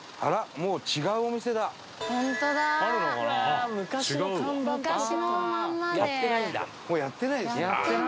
もうやってないですねこれ。